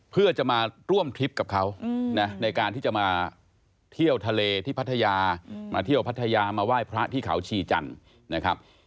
เพื่อจะมาร่วมทริปกับเขานะในการที่จะมาเที่ยวทะเลที่พัทยามาเที่ยวพัทยามาไหว้พระที่เขาชีจันทร์นะครับ